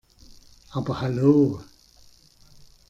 Aber hallo!